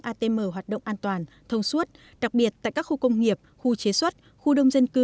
atm hoạt động an toàn thông suốt đặc biệt tại các khu công nghiệp khu chế xuất khu đông dân cư